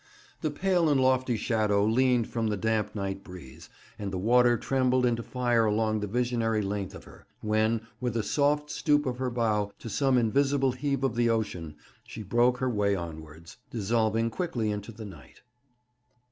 The pale and lofty shadow leaned from the damp night breeze, and the water trembled into fire along the visionary length of her, when, with a soft stoop of her bow to some invisible heave of the ocean, she broke her way onwards, dissolving quickly into the night.